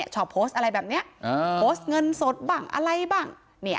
ชอบโพสต์อะไรแบบเนี้ยโพสต์การเงินสดบันอะไรบ้าง